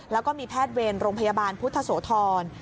แล้วก็มีแพทย์เวรโรงพยาบาลพุทธโสธร